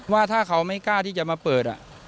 ว่าถ้าเขาไม่กล้าที่จะมาเปิด